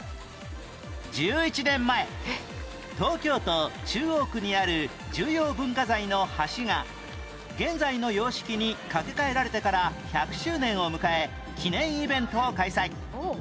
１１年前東京都中央区にある重要文化財の橋が現在の様式に架け替えられてから１００周年を迎え記念イベントを開催